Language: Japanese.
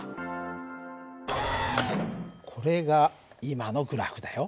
これが今のグラフだよ。